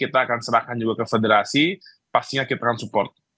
kita akan serahkan juga ke federasi pastinya kita akan support